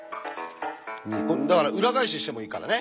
だから裏返ししてもいいからね。